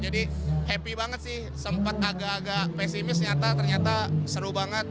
yaitu skizzy entertainment